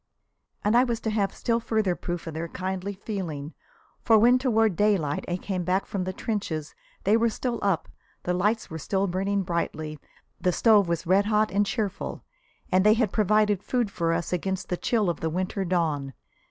And I was to have still further proof of their kindly feeling, for when toward daylight I came back from the trenches they were still up, the lamps were still burning brightly, the stove was red hot and cheerful, and they had provided food for us against the chill of the winter dawn.